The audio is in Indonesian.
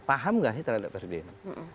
paham enggak sih terhadap rpjmd